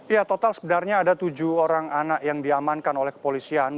ya total sebenarnya ada tujuh orang anak yang diamankan oleh kepolisian